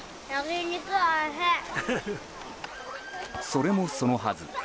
それもそのはず